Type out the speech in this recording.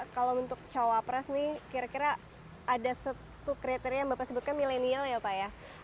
kalau untuk cawapres nih kira kira ada satu kriteria yang bapak sebutkan milenial ya pak ya